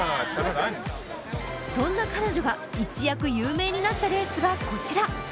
そんな彼女が一躍有名になったレースがこちら。